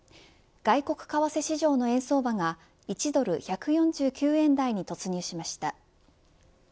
外国為替市場の円相場が一時、１ドル１４９円台に突入しました。